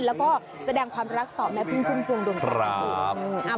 และก็แสดงความรักต่อแม่พึ่งภูมิภวงดวงจันทร์ด้วย